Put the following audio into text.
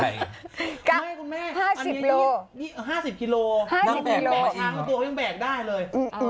พี่กากห้าสิบโลกี่ห้าสิบกิโลห้าสิบกิโลพันทูยังแบกได้เลย